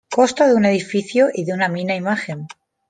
Consta de un edificio y de una mina imagen.